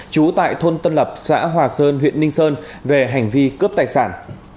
trú tại thôn tân lập xã hòa sơn huyện ninh sơn về hành vi cướp tài sản